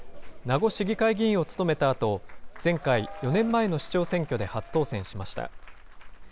名護市議会議員を務めたあと、前回・４年前の市長選挙で初当選しました。